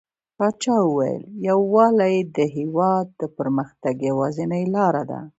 پاچا وويل: يووالى د هيواد د پرمختګ يوازينۍ لاره ده .